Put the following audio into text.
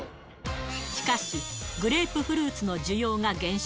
しかし、グレープフルーツの需要が減少。